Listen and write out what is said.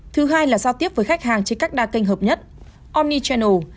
thứ hai là giao tiếp với khách hàng trên các đa kênh hợp nhất onichanal